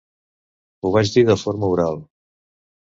Ho vaig dir de forma oral.